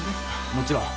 もちろん。